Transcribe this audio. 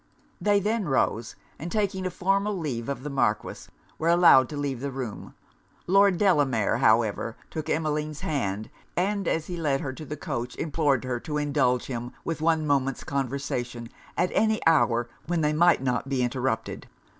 They then rose; and taking a formal leave of the Marquis, were allowed to leave the room. Lord Delamere, however, took Emmeline's hand, and as he led her to the coach implored her to indulge him with one moment's conversation at any hour when they might not be interrupted.